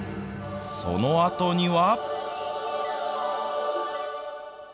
そのあとには。